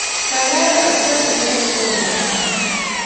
Kaikai ,naktae ngecheret kwo olda ab katam